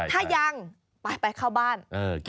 ถ้ายังไปเข้าบ้าน